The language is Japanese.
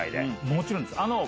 もちろんです。